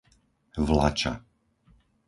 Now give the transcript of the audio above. Vlača